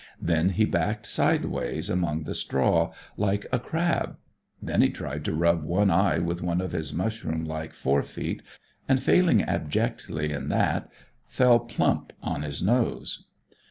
Then he backed sideways among the straw, like a crab. Then he tried to rub one eye with one of his mushroom like fore feet, and, failing abjectly in that, fell plump on his nose.